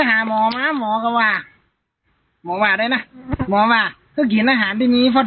ก็หาหมอมาหมอก็ว่าหมอว่าได้น่ะหมอว่าก็กินอาหารที่มี